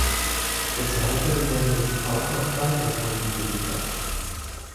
Des Weiteren werden Discounter und weitere Kunden beliefert.